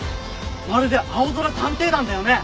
まるで『あおぞら探偵団』だよね！